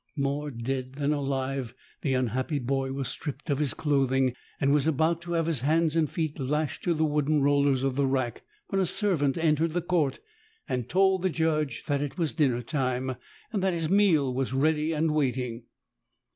More dead than alive, the unhappy boy was stripped of his clothing and was about to have his hands and feet lashed to the wooden rollers of the rack, when a servant entered the court and told the judge that it was dinner time, and that his meal was ready and waiting.